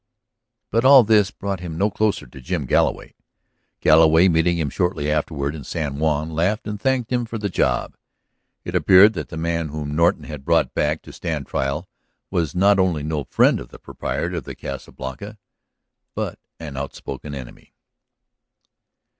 But all this brought him no closer to Jim Galloway; Galloway, meeting him shortly afterward in San Juan, laughed and thanked him for the job. It appeared that the man whom Norton had brought back to stand trial was not only no friend of the proprietor of the Casa Blanca, but an out spoken enemy.